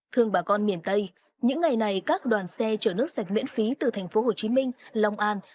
thương bà con miền tây những ngày này các đoàn xe chở nước sạch miễn phí từ thành phố hồ chí minh long an